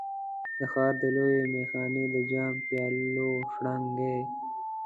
د ښار د لویې میخانې د جام، پیالو شرنګی